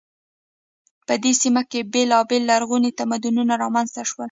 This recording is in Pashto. په دې سیمه کې بیلابیل لرغوني تمدنونه رامنځته شول.